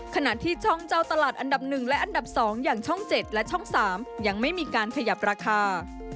ขณะที่ช่องเจ้าตลาดอันดับ๑และอันดับ๒อย่างช่อง๗และช่อง๓ยังไม่มีการขยับราคา